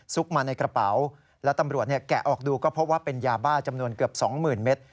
มาในกระเป๋าและตำรวจแกะออกดูก็พบว่าเป็นยาบ้าจำนวนเกือบ๒๐๐๐เมตร